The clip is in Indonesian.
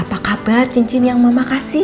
apa kabar cincin yang mama kasih